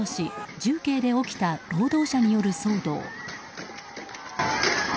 重慶で起きた労働者による騒動。